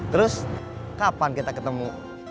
terus kapan kita ketemu